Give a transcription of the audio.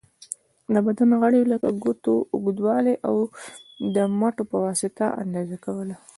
د بدن غړیو لکه د ګوتو اوږوالی، او د مټو په واسطه اندازه کوله.